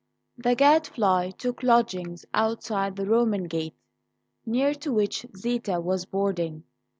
THE Gadfly took lodgings outside the Roman gate, near to which Zita was boarding.